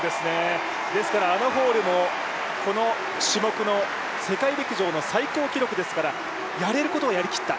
ですからアナ・ホールもこの種目の世界陸上の最高記録ですから、やれることをやりきった。